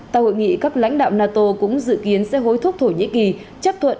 tại hội nghị các lãnh đạo nato cũng dự kiến sẽ hối thúc thổ nhĩ kỳ chấp thuận